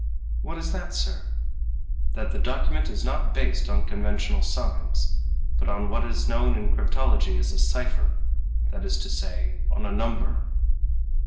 "What is that, sir?" "That the document is not based on conventional signs, but on what is known in cryptology as a cipher, that is to say, on a number."